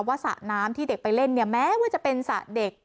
สระน้ำที่เด็กไปเล่นเนี่ยแม้ว่าจะเป็นสระเด็ก